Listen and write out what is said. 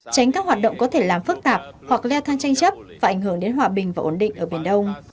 tránh các hoạt động có thể làm phức tạp hoặc leo thang tranh chấp và ảnh hưởng đến hòa bình và ổn định ở biển đông